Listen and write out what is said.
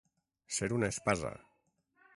Ser una espasa.